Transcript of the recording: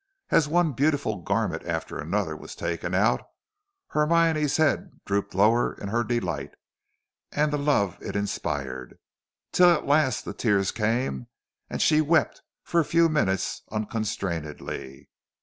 As one beautiful garment after another was taken out, Hermione's head drooped lower in her delight and the love it inspired, till at last the tears came and she wept for a few minutes unconstrainedly.